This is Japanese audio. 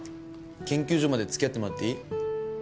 研究所まで付き合ってもらっていい？